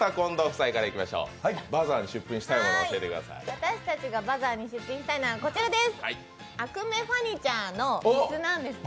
私たちがバザーに出品したいのはこちらです。